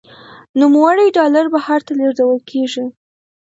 نوموړي ډالر بهر ته لیږدول کیږي.